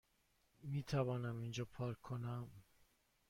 میتوانم اینجا پارک کنم؟